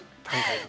はい。